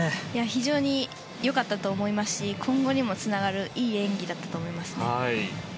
非常に良かったと思いますし今後にもつながるいい演技だったと思いますね。